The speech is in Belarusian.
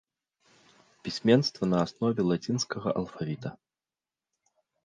Пісьменства на аснове лацінскага алфавіта.